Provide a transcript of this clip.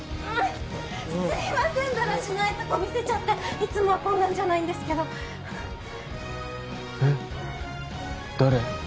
すいませんだらしないとこ見せちゃっていつもはこんなんじゃないんですけどえっ誰？